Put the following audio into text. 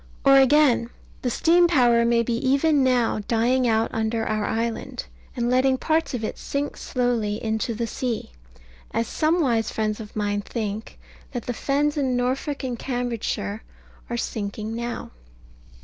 Or again, the steam power may be even now dying out under our island, and letting parts of it sink slowly into the sea, as some wise friends of mine think that the fens in Norfolk and Cambridgeshire are sinking now.